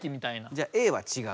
じゃあ「Ａ」はちがう？